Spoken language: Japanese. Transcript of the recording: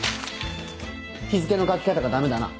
日付の書き方がダメだな。